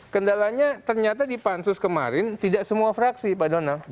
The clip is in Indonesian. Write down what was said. kendalanya ternyata di pansus kemarin tidak semua fraksi pak donald